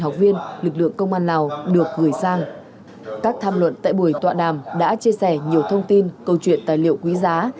các tham luận tại buổi tọa đàm đã chia sẻ nhiều thông tin câu chuyện tài liệu quý giá